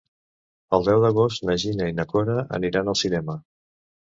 El deu d'agost na Gina i na Cora aniran al cinema.